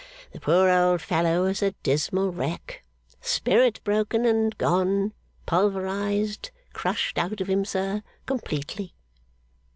The poor old fellow is a dismal wreck. Spirit broken and gone pulverised crushed out of him, sir, completely!